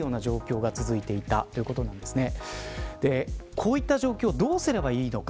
こういった状況をどうすればいいのか。